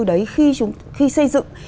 đấy khi xây dựng